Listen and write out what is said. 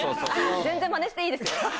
全然まねしていいですよ。